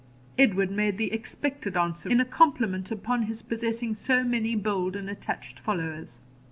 Edward made the expected answer, in a compliment upon his possessing so many bold and attached followers.